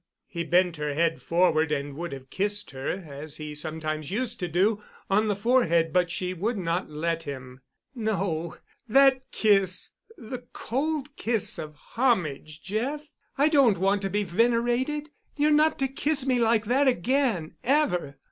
He bent her head forward and would have kissed her—as he sometimes used to do—on the forehead—but she would not let him. "No, not that kiss—the cold kiss of homage, Jeff. I don't want to be venerated. You're not to kiss me like that again—ever.